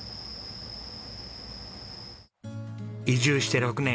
移住して６年。